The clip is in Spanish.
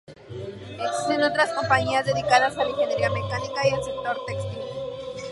Existen otras compañías dedicadas a la ingeniería mecánica y el sector textil.